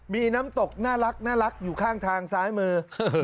มีน้ำตกน่ารักอยู่ข้างทางซ้ายมือ